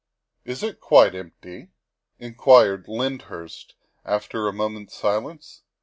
'' "Is it quite empty?" inquired Lyndhurst after a moment's silence.